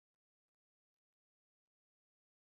柳词的高雅处则受历来文学评论家赞不绝口。